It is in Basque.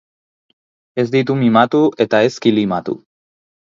Ez ditu mimatu eta ez kilimatu.